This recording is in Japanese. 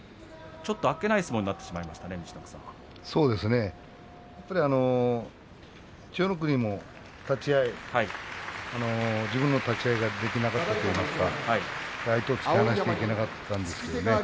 ちょっとあっけない相撲に千代の国も立ち合い自分の立ち合いができなかったといいますか相手を突き放していけなかったんですけれどもね。